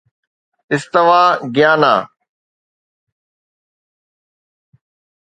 استوا گيانا